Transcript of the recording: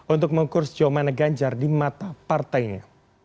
untuk mengukur sejauh mana ganjar di mata partainya